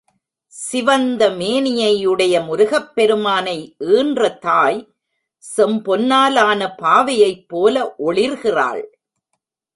சிவந்த மேனியை உடைய முருகப் பெருமானை ஈன்ற தாய், செம்பொன்னாலான பாவையைப் போல ஒளிர்கிறாள்.